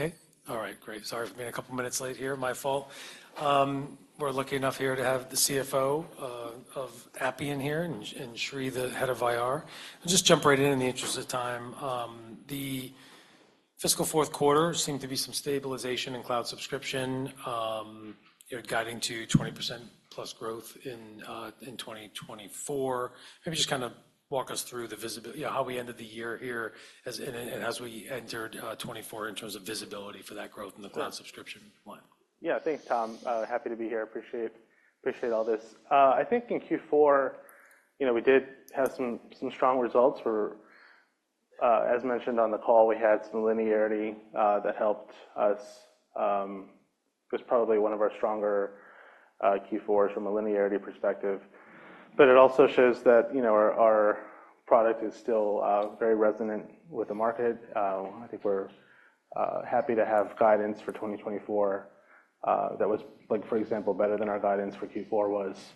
Okay. All right. Great. Sorry for being a couple minutes late here. My fault. We're lucky enough here to have the CFO of Appian here and Sri, the head of IR. I'll just jump right in in the interest of time. The fiscal fourth quarter seemed to be some stabilization in cloud subscription, you know, guiding to 20%+ growth in, in 2024. Maybe just kind of walk us through the visibility, you know, how we ended the year here as in, and as we entered 2024 in terms of visibility for that growth in the cloud subscription line. Yeah. Thanks, Tom. Happy to be here. Appreciate, appreciate all this. I think in Q4, you know, we did have some, some strong results for, as mentioned on the call, we had some linearity, that helped us. It was probably one of our stronger Q4s from a linearity perspective. But it also shows that, you know, our, our product is still very resonant with the market. I think we're happy to have guidance for 2024, that was, like, for example, better than our guidance for Q4 was.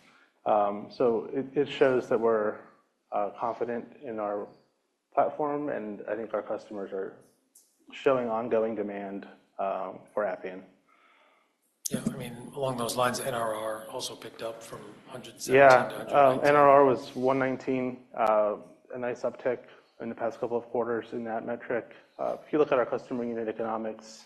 So it, it shows that we're confident in our platform, and I think our customers are showing ongoing demand for Appian. Yeah. I mean, along those lines, NRR also picked up from 117%-119%. Yeah. NRR was 119, a nice uptick in the past couple of quarters in that metric. If you look at our customer unit economics,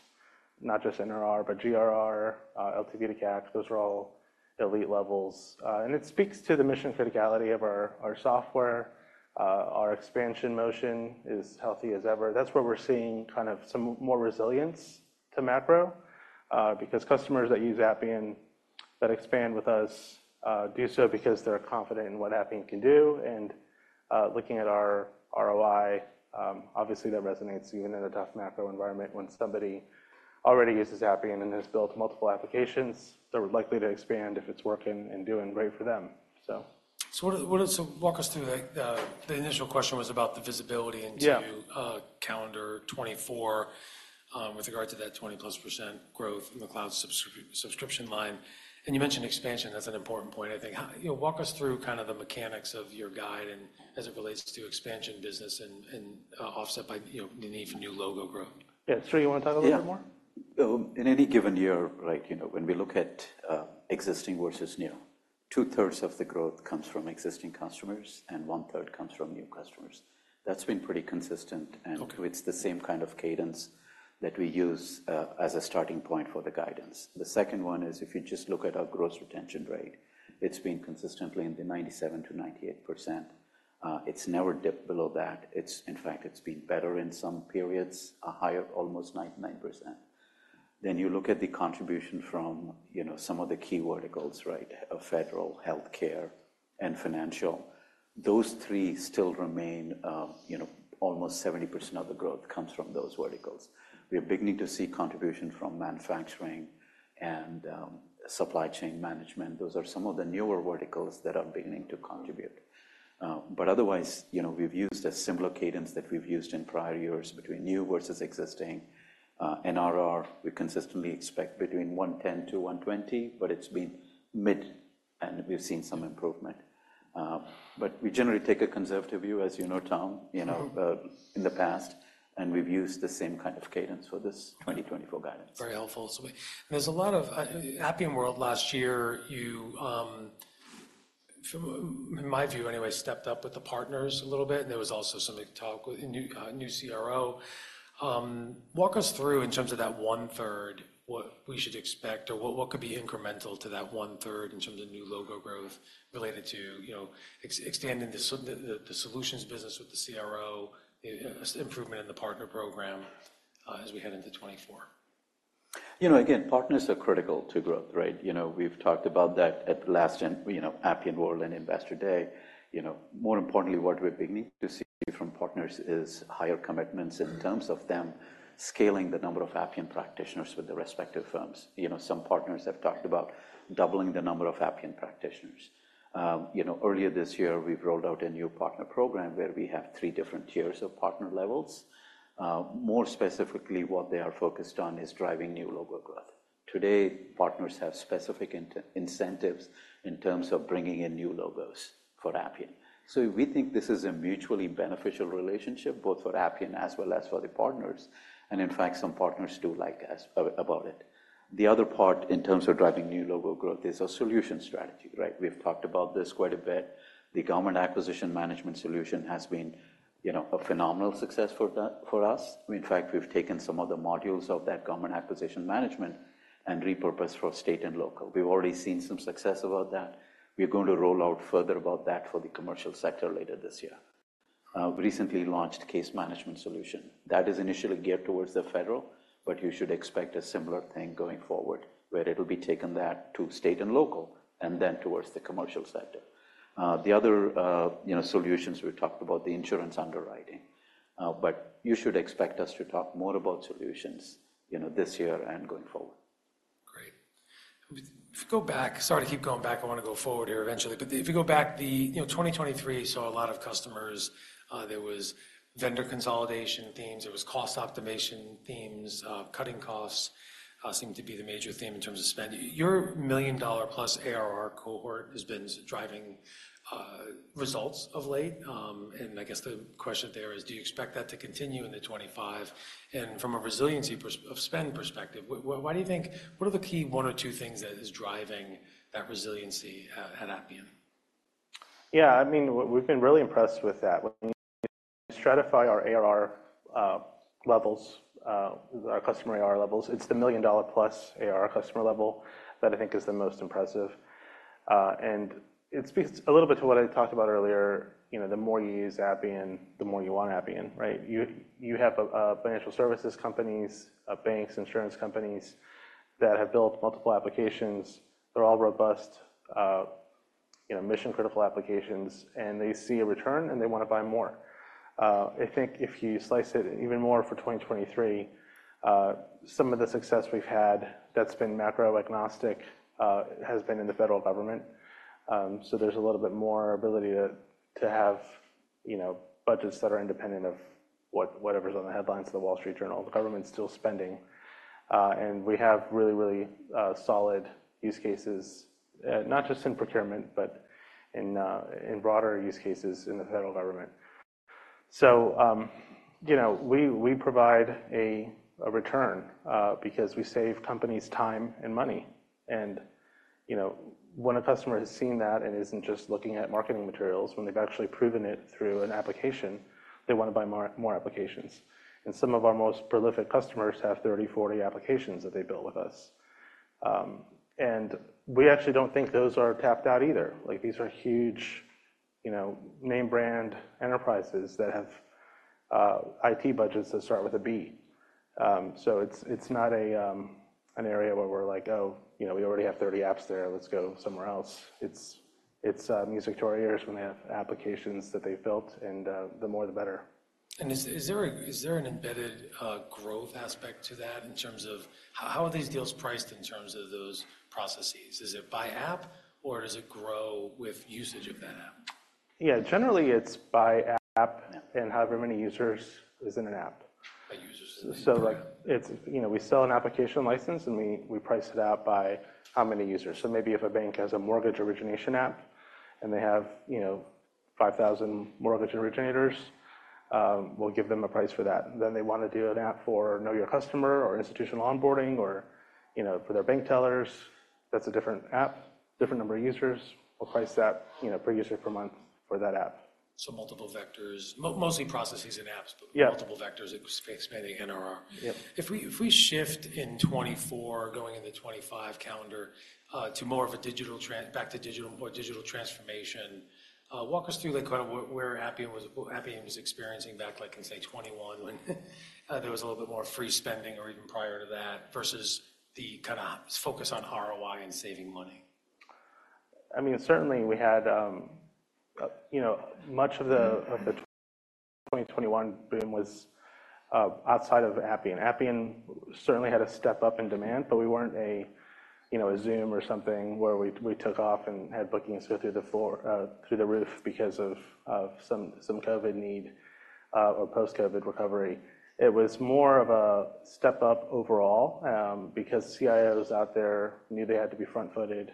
not just NRR, but GRR, LTV to CAC, those are all elite levels. And it speaks to the mission criticality of our, our software. Our expansion motion is healthy as ever. That's where we're seeing kind of some more resilience to macro, because customers that use Appian that expand with us, do so because they're confident in what Appian can do. And, looking at our ROI, obviously that resonates even in a tough macro environment when somebody already uses Appian and has built multiple applications, they're likely to expand if it's working and doing great for them, so. So, what does so walk us through the initial question was about the visibility into. Yeah. calendar 2024, with regard to that 20%+ growth in the cloud subscription line. You mentioned expansion. That's an important point, I think. How, you know, walk us through kind of the mechanics of your guide and as it relates to expansion business and offset by, you know, the need for new logo growth. Yeah. Sri, you wanna talk a little bit more? Yeah. In any given year, right, you know, when we look at existing versus new, two-thirds of the growth comes from existing customers and one-third comes from new customers. That's been pretty consistent. And. Okay. It's the same kind of cadence that we use, as a starting point for the guidance. The second one is if you just look at our gross retention rate, it's been consistently in the 97%-98%. It's never dipped below that. It's, in fact, it's been better in some periods, higher, almost 99%. Then you look at the contribution from, you know, some of the key verticals, right, of federal, healthcare, and financial, those three still remain, you know, almost 70% of the growth comes from those verticals. We are beginning to see contribution from manufacturing and, supply chain management. Those are some of the newer verticals that are beginning to contribute. But otherwise, you know, we've used a similar cadence that we've used in prior years between new versus existing. NRR, we consistently expect between 110-120, but it's been mid, and we've seen some improvement. but we generally take a conservative view, as you know, Tom, you know, in the past, and we've used the same kind of cadence for this 2024 guidance. Very helpful. So, and there's a lot of Appian World last year, you, from, in my view anyway, stepped up with the partners a little bit, and there was also some talk with a new CRO. Walk us through in terms of that one-third, what we should expect, or what could be incremental to that one-third in terms of new logo growth related to, you know, extending the solutions business with the CRO, the improvement in the partner program, as we head into 2024. You know, again, partners are critical to growth, right? You know, we've talked about that at the last in, you know, Appian World and Investor Day. You know, more importantly, what we're beginning to see from partners is higher commitments in terms of them scaling the number of Appian practitioners with the respective firms. You know, some partners have talked about doubling the number of Appian practitioners. You know, earlier this year, we've rolled out a new partner program where we have three different tiers of partner levels. More specifically, what they are focused on is driving new logo growth. Today, partners have specific incentives in terms of bringing in new logos for Appian. So we think this is a mutually beneficial relationship, both for Appian as well as for the partners. And in fact, some partners do like as about it. The other part in terms of driving new logo growth is our solution strategy, right? We've talked about this quite a bit. The Government Acquisition Management solution has been, you know, a phenomenal success for us. In fact, we've taken some of the modules of that Government Acquisition Management and repurposed for state and local. We've already seen some success about that. We are going to roll out further about that for the commercial sector later this year. We recently launched Case Management solution. That is initially geared towards the federal, but you should expect a similar thing going forward where it'll be taken that to state and local and then towards the commercial sector. The other, you know, solutions we've talked about, the insurance underwriting, but you should expect us to talk more about solutions, you know, this year and going forward. Great. If we go back, sorry to keep going back. I wanna go forward here eventually. But if you go back, you know, 2023 saw a lot of customers. There was vendor consolidation themes. There was cost optimization themes. Cutting costs seemed to be the major theme in terms of spend. Your million-dollar-plus ARR cohort has been driving results of late. And I guess the question there is, do you expect that to continue in 2025? And from a resiliency perspective of spend perspective, what, what, why do you think what are the key one or two things that is driving that resiliency at, at Appian? Yeah. I mean, we've been really impressed with that. When you stratify our ARR levels, our customer ARR levels, it's the million-dollar-plus ARR customer level that I think is the most impressive. It speaks a little bit to what I talked about earlier. You know, the more you use Appian, the more you want Appian, right? You have financial services companies, banks, insurance companies that have built multiple applications. They're all robust, you know, mission-critical applications, and they see a return, and they wanna buy more. I think if you slice it even more for 2023, some of the success we've had that's been macroagnostic has been in the federal government. There's a little bit more ability to have, you know, budgets that are independent of whatever's on the headlines of The Wall Street Journal. The government's still spending. We have really, really, solid use cases, not just in procurement, but in broader use cases in the federal government. So, you know, we provide a return, because we save companies time and money. And, you know, when a customer has seen that and isn't just looking at marketing materials, when they've actually proven it through an application, they wanna buy more applications. And some of our most prolific customers have 30, 40 applications that they build with us. We actually don't think those are tapped out either. Like, these are huge, you know, name-brand enterprises that have IT budgets that start with a B. So it's not an area where we're like, "Oh, you know, we already have 30 apps there. Let's go somewhere else." It's music to our ears when they have applications that they've built, and the more, the better. And is there an embedded growth aspect to that in terms of how are these deals priced in terms of those processes? Is it by app, or does it grow with usage of that app? Yeah. Generally, it's by app and however many users is in an app. By users in an app. So, like, it's, you know, we sell an application license, and we price it out by how many users. So maybe if a bank has a mortgage origination app, and they have, you know, 5,000 mortgage originators, we'll give them a price for that. Then they wanna do an app for Know Your Customer or institutional onboarding or, you know, for their bank tellers. That's a different app, different number of users. We'll price that, you know, per user, per month for that app. So multiple vectors, mostly processes and apps, but multiple vectors expanding NRR. Yeah. If we shift in 2024, going into 2025 calendar, to more of a digital transformation, walk us through, like, kind of what, where Appian was experiencing back, like, in, say, 2021 when there was a little bit more free spending or even prior to that versus the kind of focus on ROI and saving money. I mean, certainly, we had, you know, much of the 2021 boom was outside of Appian. Appian certainly had a step up in demand, but we weren't a, you know, a Zoom or something where we took off and had bookings go through the floor through the roof because of some COVID need or post-COVID recovery. It was more of a step up overall, because CIOs out there knew they had to be front-footed,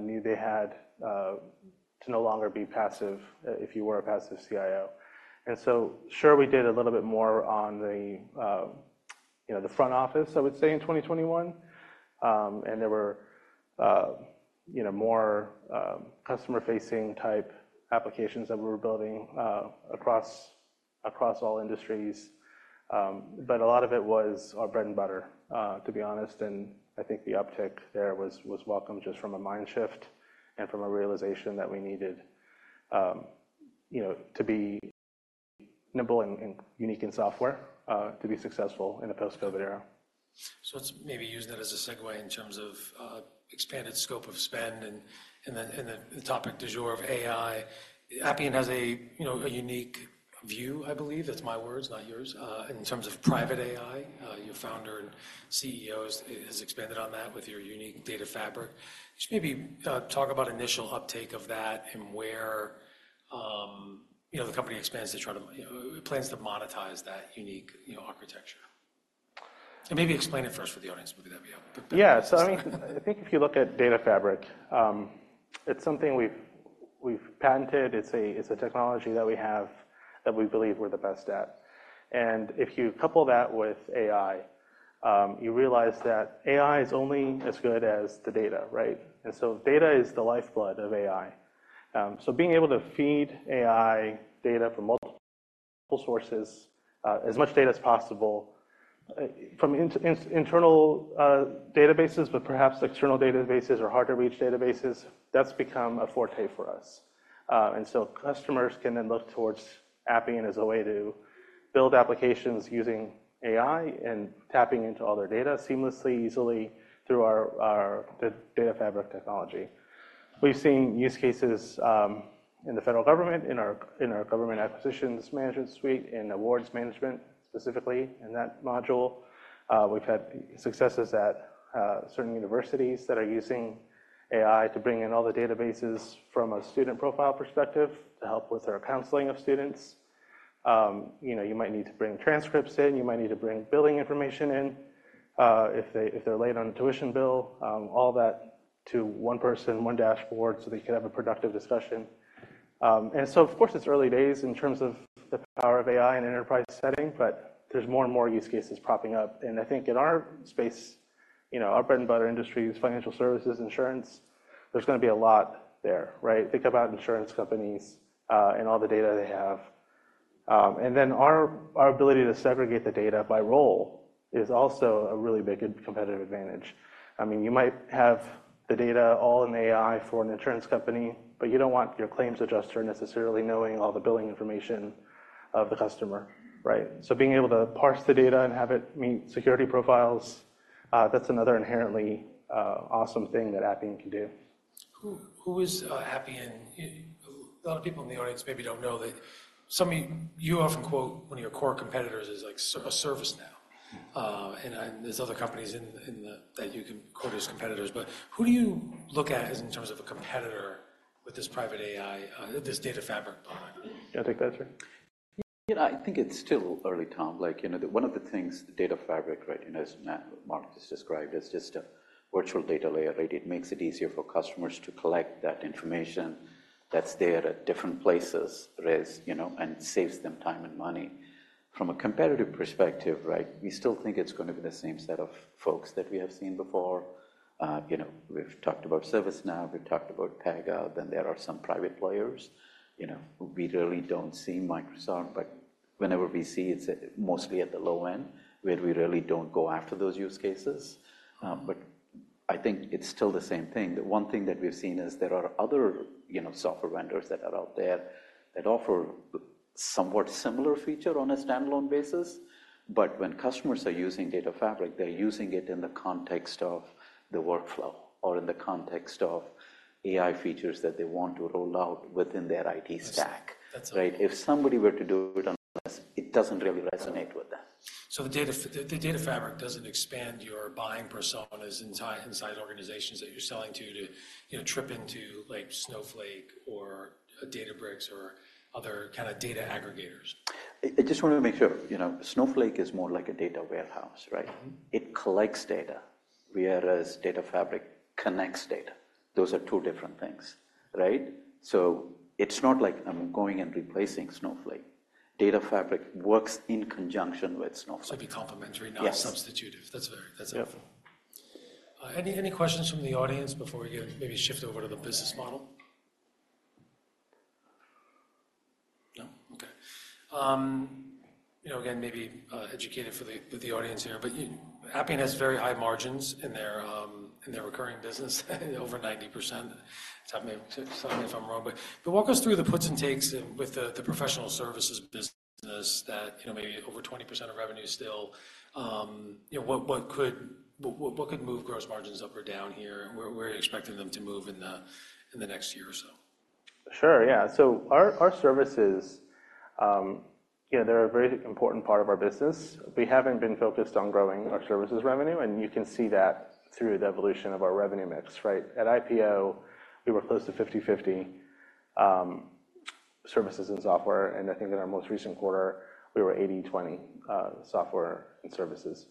knew they had to no longer be passive if you were a passive CIO. And so sure, we did a little bit more on the, you know, the front office, I would say, in 2021. And there were, you know, more customer-facing type applications that we were building across all industries, but a lot of it was our bread and butter, to be honest. I think the uptick there was welcomed just from a mind shift and from a realization that we needed, you know, to be nimble and unique in software, to be successful in the post-COVID era. So let's maybe use that as a segue in terms of expanded scope of spend and then in the topic du jour of AI. Appian has a, you know, a unique view, I believe. That's my words, not yours. In terms of Private AI, your founder and CEO has expanded on that with your unique Data Fabric. Just maybe talk about initial uptake of that and where, you know, the company expands to try to, you know, plans to monetize that unique, you know, architecture. And maybe explain it first for the audience. Maybe that'll be helpful. Yeah. So I mean, I think if you look at Data Fabric, it's something we've patented. It's a technology that we have that we believe we're the best at. And if you couple that with AI, you realize that AI is only as good as the data, right? And so data is the lifeblood of AI. So being able to feed AI data from multiple sources, as much data as possible, from internal databases, but perhaps external databases or hard-to-reach databases, that's become a forte for us. And so customers can then look towards Appian as a way to build applications using AI and tapping into all their data seamlessly, easily through our Data Fabric technology. We've seen use cases in the federal government, in our government acquisitions management suite, in Award Management specifically in that module. We've had successes at certain universities that are using AI to bring in all the databases from a student profile perspective to help with their counseling of students. You know, you might need to bring transcripts in. You might need to bring billing information in, if they're late on a tuition bill, all that to one person, one dashboard so they could have a productive discussion. And so of course, it's early days in terms of the power of AI in an enterprise setting, but there's more and more use cases popping up. And I think in our space, you know, our bread and butter industries, financial services, insurance, there's gonna be a lot there, right? Think about insurance companies, and all the data they have. And then our, our ability to segregate the data by role is also a really big competitive advantage. I mean, you might have the data all in AI for an insurance company, but you don't want your claims adjuster necessarily knowing all the billing information of the customer, right? So being able to parse the data and have it meet security profiles, that's another inherently, awesome thing that Appian can do. Who is Appian? A lot of people in the audience maybe don't know that some of you often quote one of your core competitors as, like, ServiceNow. And there's other companies in the that you can quote as competitors. But who do you look at as in terms of a competitor with this Private AI, this Data Fabric product? You'll take that Sri?. You know, I think it's still early, Tom. Like, you know, one of the things the Data Fabric, right, you know, as Matt and Mark has described, is just a virtual data layer, right? It makes it easier for customers to collect that information that's there at different places, whereas, you know, and saves them time and money. From a competitive perspective, right, we still think it's gonna be the same set of folks that we have seen before. You know, we've talked about ServiceNow. We've talked about Pegasystems. Then there are some private players. You know, we really don't see Microsoft, but whenever we see, it's mostly at the low end where we really don't go after those use cases. But I think it's still the same thing. The one thing that we've seen is there are other, you know, software vendors that are out there that offer somewhat similar feature on a standalone basis. But when customers are using Data Fabric, they're using it in the context of the workflow or in the context of AI features that they want to roll out within their IT stack, right? If somebody were to do it unless it doesn't really resonate with them. So the Data Fabric doesn't expand your buying personas inside organizations that you're selling to, you know, trip into, like, Snowflake or Databricks or other kind of data aggregators? I just wanna make sure, you know, Snowflake is more like a data warehouse, right? It collects data, whereas Data Fabric connects data. Those are two different things, right? So it's not like I'm going and replacing Snowflake. Data Fabric works in conjunction with Snowflake. So it'd be complementary, not substitutive. That's a very. Yeah. Any questions from the audience before we again maybe shift over to the business model? No? Okay. You know, again, maybe educated for the audience here, but Appian has very high margins in their recurring business, over 90%. Tell me if I'm wrong. But walk us through the puts and takes with the professional services business that, you know, maybe over 20% of revenue still. You know, what could move gross margins up or down here? And where are you expecting them to move in the next year or so? Sure. Yeah. So our, our services, you know, they're a very important part of our business. We haven't been focused on growing our services revenue, and you can see that through the evolution of our revenue mix, right? At IPO, we were close to 50/50, services and software. And I think in our most recent quarter, we were 80/20, software and services.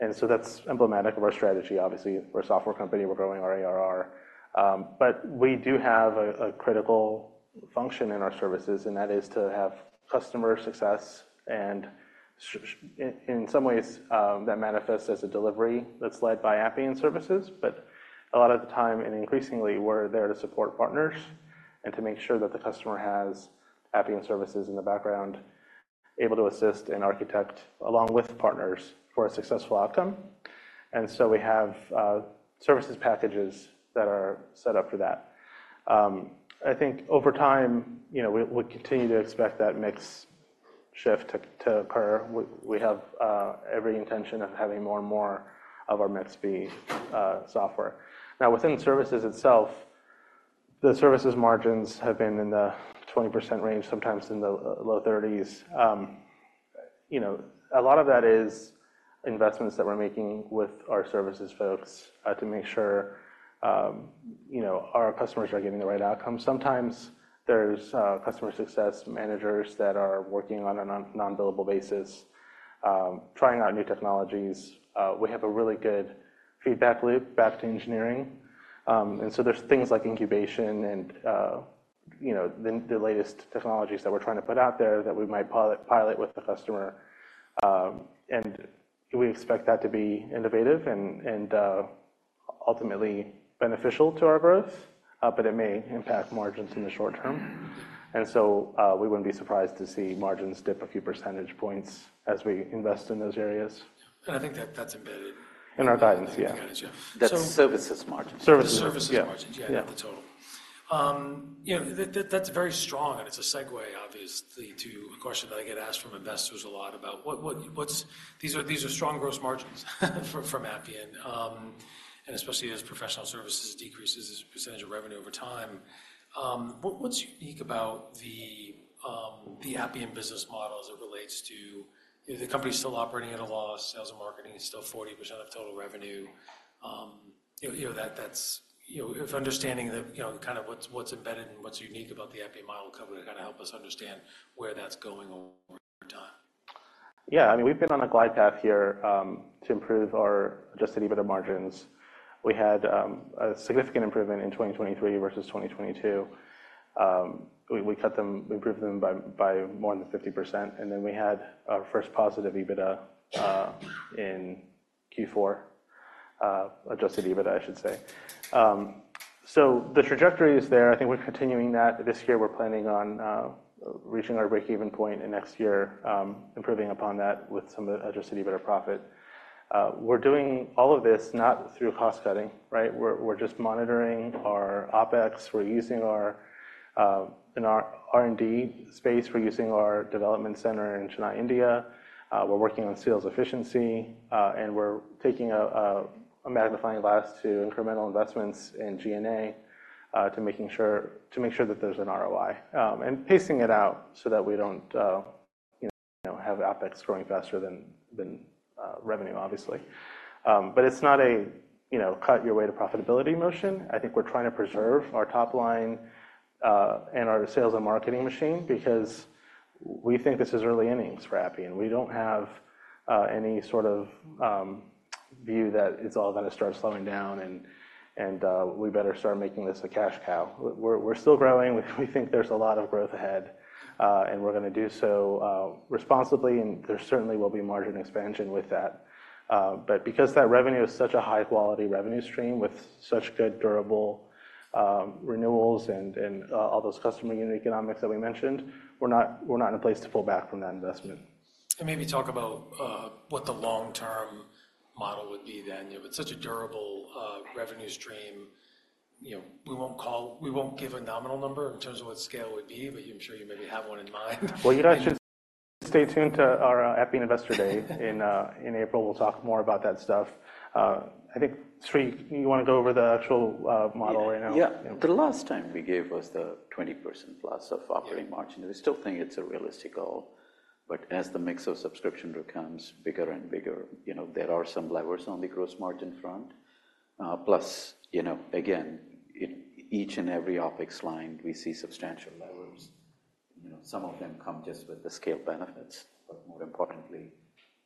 And so that's emblematic of our strategy, obviously. We're a software company. We're growing our ARR. But we do have a, a critical function in our services, and that is to have customer success. And in, in some ways, that manifests as a delivery that's led by Appian services. But a lot of the time and increasingly, we're there to support partners and to make sure that the customer has Appian services in the background, able to assist and architect along with partners for a successful outcome. We have services packages that are set up for that. I think over time, you know, we continue to expect that mix shift to occur. We have every intention of having more and more of our mix be software. Now, within services itself, the services margins have been in the 20% range, sometimes in the low 30s. You know, a lot of that is investments that we're making with our services folks, to make sure, you know, our customers are getting the right outcomes. Sometimes there's customer success managers that are working on a non-billable basis, trying out new technologies. We have a really good feedback loop back to engineering. There's things like incubation and, you know, the latest technologies that we're trying to put out there that we might pilot with the customer. We expect that to be innovative and ultimately beneficial to our growth, but it may impact margins in the short term. So, we wouldn't be surprised to see margins dip a few percentage points as we invest in those areas. I think that that's embedded. In our guidance, yeah. In our guidance, yeah. That's services margins. Services. Services margins. Yeah. Yeah. The total, you know, that's very strong. And it's a segue, obviously, to a question that I get asked from investors a lot about what these are—these are strong gross margins for Appian, and especially as professional services decreases as percentage of revenue over time. What's unique about the Appian business model as it relates to, you know, the company's still operating at a loss. Sales and marketing is still 40% of total revenue. You know, that's—you know, if understanding the, you know, kind of what's embedded and what's unique about the Appian model could kind of help us understand where that's going over time. Yeah. I mean, we've been on a glide path here, to improve our adjusted EBITDA margins. We had a significant improvement in 2023 versus 2022. We improved them by more than 50%. Then we had our first positive EBITDA in Q4, adjusted EBITDA, I should say. So the trajectory is there. I think we're continuing that. This year, we're planning on reaching our breakeven point next year, improving upon that with some adjusted EBITDA profit. We're doing all of this not through cost cutting, right? We're just monitoring our OPEX. In our R&D space, we're using our development center in Chennai, India. We're working on sales efficiency, and we're taking a magnifying glass to incremental investments in G&A, to making sure that there's an ROI, and pacing it out so that we don't, you know, have OPEX growing faster than revenue, obviously. But it's not a, you know, cut-your-way-to-profitability motion. I think we're trying to preserve our top line, and our sales and marketing machine because we think this is early innings for Appian. We don't have any sort of view that it's all gonna start slowing down and we better start making this a cash cow. We're still growing. We think there's a lot of growth ahead, and we're gonna do so responsibly. And there certainly will be margin expansion with that. but because that revenue is such a high-quality revenue stream with such good, durable, renewals and all those customer unit economics that we mentioned, we're not in a place to pull back from that investment. And maybe talk about what the long-term model would be then. You know, it's such a durable revenue stream. You know, we won't give a nominal number in terms of what scale would be, but I'm sure you maybe have one in mind. Well, you guys should stay tuned to our Appian Investor Day in April. We'll talk more about that stuff. I think, Sri, you wanna go over the actual model right now? Yeah. Yeah. The last time we gave was the 20%+ operating margin. We still think it's a realistic goal. But as the mix of subscription becomes bigger and bigger, you know, there are some levers on the gross margin front, plus, you know, again, each and every OPEX line, we see substantial levers. You know, some of them come just with the scale benefits. But more importantly,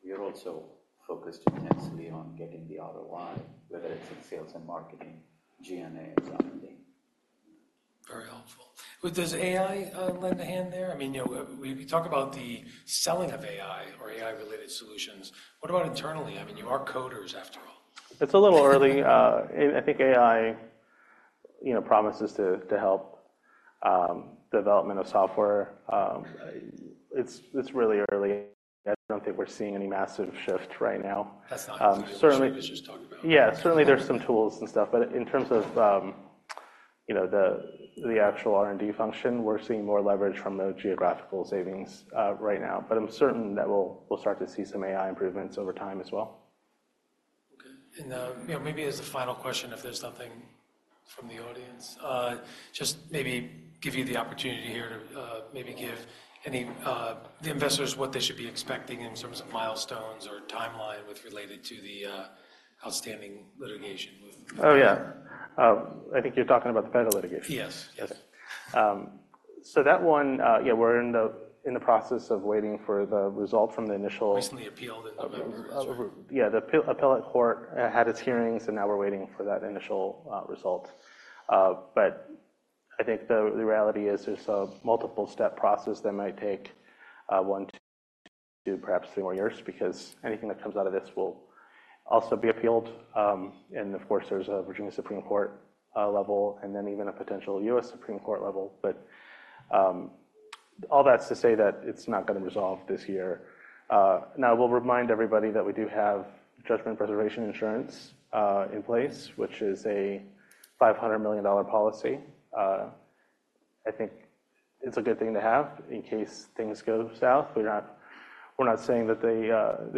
we are also focused intensely on getting the ROI, whether it's in sales and marketing, G&A, or something. Very helpful. Does AI lend a hand there? I mean, you know, we talk about the selling of AI or AI-related solutions. What about internally? I mean, you are coders, after all. It's a little early. I think AI, you know, promises to help development of software. It's really early. I don't think we're seeing any massive shift right now. That's not conclusive. certainly. Sri was just talking about. Yeah. Certainly, there's some tools and stuff. But in terms of, you know, the actual R&D function, we're seeing more leverage from the geographical savings, right now. But I'm certain that we'll start to see some AI improvements over time as well. Okay. And, you know, maybe as a final question, if there's nothing from the audience, just maybe give you the opportunity here to, maybe give any, the investors what they should be expecting in terms of milestones or timeline with related to the, outstanding litigation with. Oh, yeah. I think you're talking about the federal litigation. Yes. Yes. Okay. So that one, yeah, we're in the process of waiting for the result from the initial. Recently appealed in November. Appeal approval. Yeah. The appellate court had its hearings, and now we're waiting for that initial result. But I think the reality is there's a multiple-step process that might take one, two, perhaps three more years because anything that comes out of this will also be appealed. And of course, there's a Virginia Supreme Court level and then even a potential U.S. Supreme Court level. But all that's to say that it's not gonna resolve this year. Now, we'll remind everybody that we do have judgment preservation Insurance in place, which is a $500 million policy. I think it's a good thing to have in case things go south. We're not saying that they,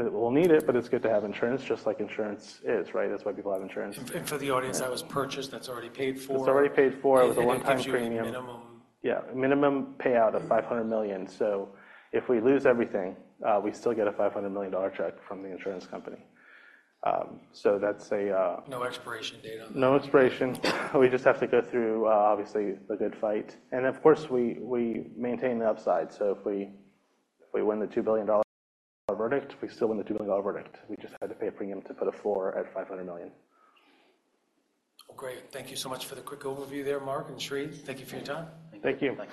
that we'll need it, but it's good to have insurance just like insurance is, right? That's why people have insurance. For the audience, that was purchased. That's already paid for. It's already paid for. It was a one-time premium. You can get a minimum. Yeah. Minimum payout of $500 million. So if we lose everything, we still get a $500 million check from the insurance company. So that's a, No expiration date on that. No expiration. We just have to go through, obviously, a good fight. And of course, we, we maintain the upside. So if we if we win the $2 billion verdict, we still win the $2 billion verdict. We just had to pay a premium to put a floor at $500 million. Well, great. Thank you so much for the quick overview there, Mark and Sri. Thank you for your time. Thank you.